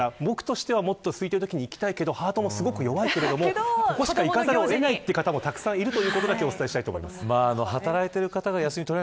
僕としては、もっと空いているときに行きたいけどハートが弱いけど行かざるを得ないという方もたくさんいるということだけお伝えしたいです。